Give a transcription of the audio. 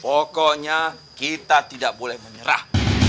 pokoknya kita tidak boleh menyerah